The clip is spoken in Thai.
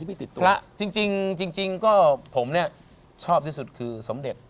ที่พี่ติดพละจริงจริงจริงก็ผมเนี้ยชอบที่สุดคือสมเด็จ